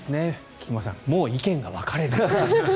菊間さん、もう意見が分かれる。